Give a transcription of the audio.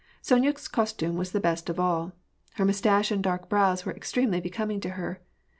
Sonya's costume was the best of all. Her mustache and dark brows were extremely becoming to her.